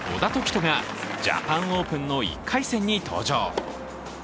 人がジャパンオープンの１回戦に登場。